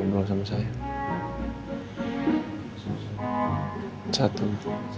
belum bisa kelepas kamu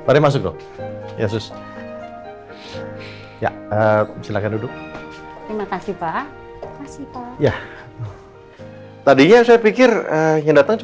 dari ingatan aku